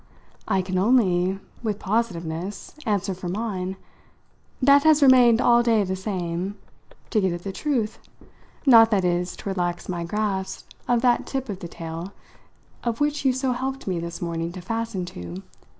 "I can only, with positiveness, answer for mine! That has remained all day the same to get at the truth: not, that is, to relax my grasp of that tip of the tail of it which you so helped me this morning to fasten to.